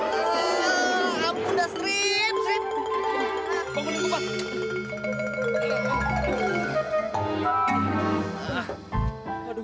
aduh aduh aduh